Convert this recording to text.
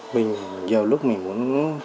mình nhiều lúc mình muốn